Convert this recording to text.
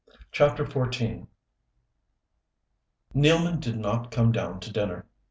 CHAPTER XIV Nealman did not come down to dinner.